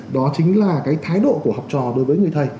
đó chính là cái thái độ của học trò đối với người thầy